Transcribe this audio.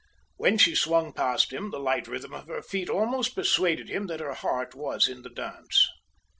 When she swung past him the light rhythm of her feet almost persuaded him that her heart was in the dance.